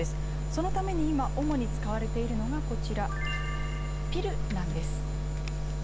そのために今主に使われているのがピルなんです。